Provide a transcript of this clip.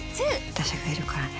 私がいるからね。